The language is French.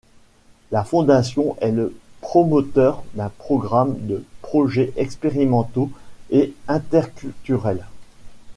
La fondation est le promoteur d'un programme de projets expérimentaux et interculturels.